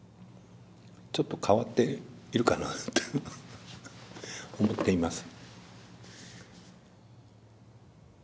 ちょっと変わっているかなって思っています。